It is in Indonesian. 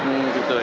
hmm gitu ya